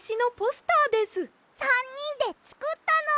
３にんでつくったの！